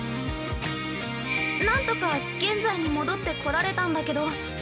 何とか現在に戻ってこられたんだけど。